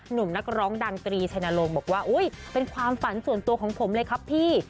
หนุ่มนักร้องดังตรีชัยนรงค์บอกว่าอุ๊ยเป็นความฝันส่วนตัวของผมเลยครับพี่